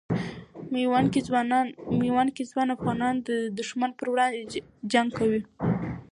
میوند کې ځوان افغانان د دښمن پر وړاندې جنګ کوي.